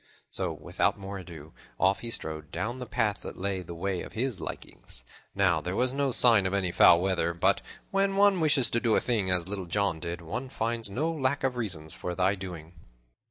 So, without more ado, off he strode down the path that lay the way of his likings. Now there was no sign of any foul weather, but when one wishes to do a thing, as Little John did, one finds no lack of reasons for the doing.